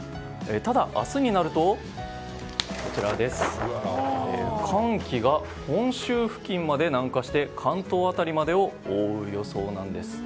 ただ、明日になると寒気が本州付近まで南下して関東辺りまでを覆う予想なんです。